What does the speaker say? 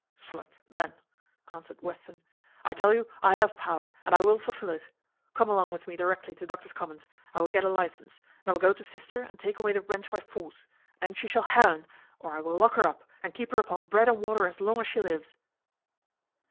"Slud! then," answered Western, "I tell you I have power, and I will fulfil it. Come along with me directly to Doctors' Commons, I will get a licence; and I will go to sister and take away the wench by force, and she shall ha un, or I will lock her up, and keep her upon bread and water as long as she lives."